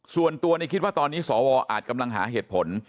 ส่วนตัวคิดว่าตอนนี้สวอาจกำลังหาเหตุผล